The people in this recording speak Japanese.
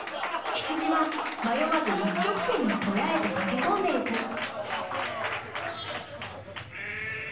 羊は迷わず一直線に小屋へと駆け込んでいく。